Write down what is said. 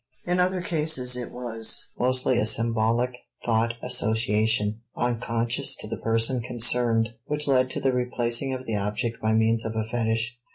In other cases it was mostly a symbolic thought association, unconscious to the person concerned, which led to the replacing of the object by means of a fetich.